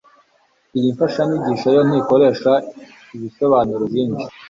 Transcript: iyi mfashanyigisho yo ntikoresha ibisobanuro byinshi